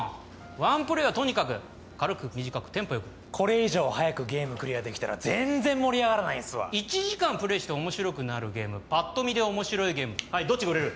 １プレイはとにかく軽く短くテンポよくこれ以上早くゲームクリアできたら全然盛り上がらないんすわ１時間プレイして面白くなるゲームパッと見で面白いゲームはいどっちが売れる？